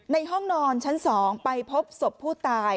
ห้องนอนชั้น๒ไปพบศพผู้ตาย